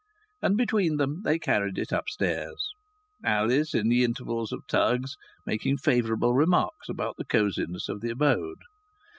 And between them they carried it upstairs, Alice, in the intervals of tugs, making favourable remarks about the cosiness of the abode.